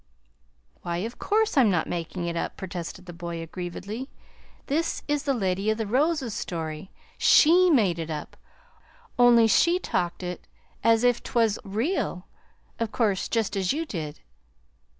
"Why, of course, I'm not making it up," protested the boy aggrievedly. "This is the Lady of the Roses' story SHE made it up only she talked it as if 't was real, of course, just as you did.